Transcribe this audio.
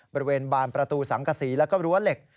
บริเวณบานประตูสังกษีแล้วก็รั้วเหล็ก